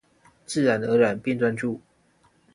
自然而然變專注